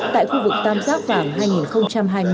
tại khu vực tam giáp vàng hai nghìn hai mươi hai nghìn hai mươi hai